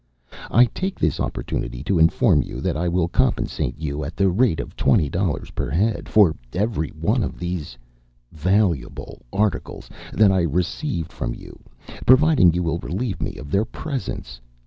I take this opportunity to inform you that I will compensate you at the rate of $20 per head for every one of these valuable articles that I received from you, providing you will relieve me of their presence.